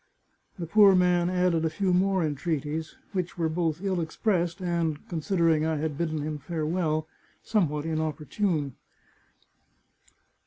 The poor man added a few more entreaties, which were both ill expressed and, considering I had bidden him " Farewell," somewhat inopportune.